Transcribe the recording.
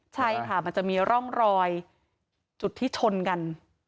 ใช่ค่ะมันจะมีร่องรอยจุดที่ชนกัน